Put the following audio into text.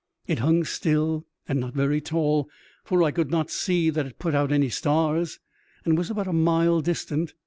It hung still and not very tall, for I could not see that it put out any stars, and was about a mile distant.